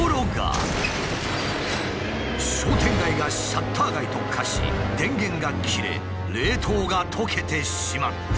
商店街がシャッター街と化し電源が切れ冷凍がとけてしまった！